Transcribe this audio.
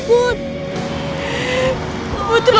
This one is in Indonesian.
putri lakuin ini juga terpaksa